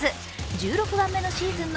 １６番目のシーズンの